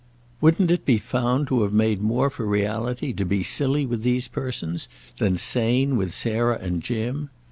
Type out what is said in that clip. Wouldn't it be found to have made more for reality to be silly with these persons than sane with Sarah and Jim?